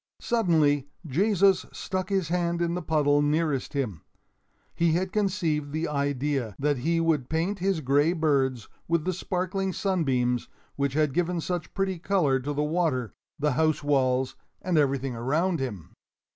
Suddenly Jesus stuck his hand in the puddle nearest him. He had conceived the idea that he would paint his gray birds with the sparkling sunbeams which had given such pretty color to the water, the house walls, and everything around him.